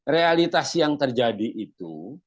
realitas yang terjadi itu